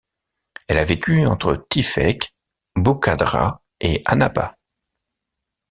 Elle a vécu entre Tiffech, Boukhadra et Annaba.